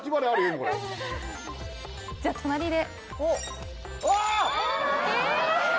じゃあ隣で。